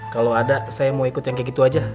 kalau ada saya mau ikut yang kayak gitu aja